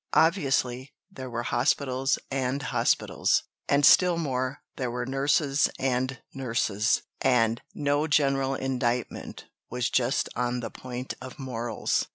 Obviously there were hospitals and hospitals, and still more there were nurses and nurses, and no general indictment was just on the point of morals.